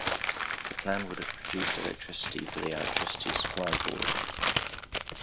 The plan would have produced electricity for the Electricity Supply Board.